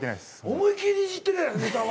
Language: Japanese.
思い切りいじってるやないかネタは。